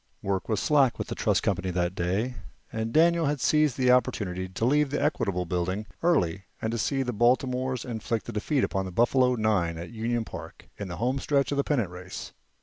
Work was slack with the trust company that day, and Daniel had seized the opportunity to leave the Equitable Building early and see the Baltimores inflict a defeat on the Buffalo nine at Union Park, in the homestretch of the pennant race.